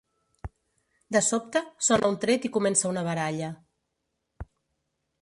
De sobte, sona un tret i comença una baralla.